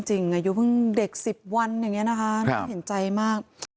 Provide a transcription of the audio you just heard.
จริงอายุเพิ่งเด็ก๑๐วันอย่างนี้นะคะแข็งใจมาก